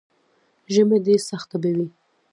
ژمی دی، سخته به وي.